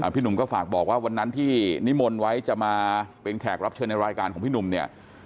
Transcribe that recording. พี่หนุ่มก็ฝากบอกว่าวันนั้นที่นิมนต์ไว้จะมาเป็นแขกรับเชิญในรายการของพี่หนุ่มเนี่ย